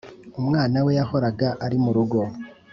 umwana we yahoraga ari mu rugo